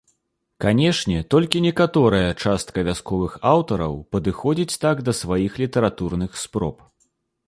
Канешне, толькі некаторая частка вясковых аўтараў падыходзіць так да сваіх літаратурных спроб.